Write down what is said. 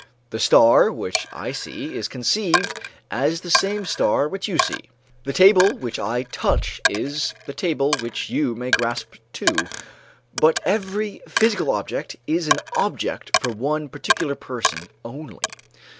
The star which I see is conceived as the same star which you see, the table which I touch is the table which you may grasp, too. But every psychical object is an object for one particular person only.